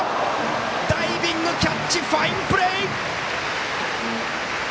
ダイビングキャッチファインプレー！